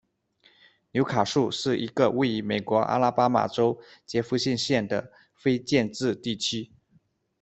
纽卡素是一个位于美国阿拉巴马州杰佛逊县的非建制地区。